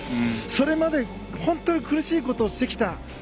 それまで本当に苦しいことをしてきた。